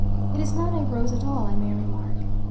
It is not a rose at all, I may remark.